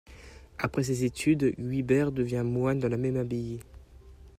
Après ses études, Guibert devient moine dans la même abbaye.